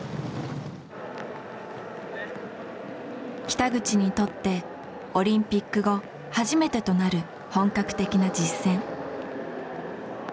北口にとってオリンピック後初めてとなる本格的な実戦。